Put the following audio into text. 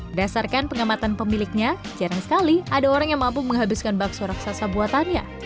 berdasarkan pengamatan pemiliknya jarang sekali ada orang yang mampu menghabiskan bakso raksasa buatannya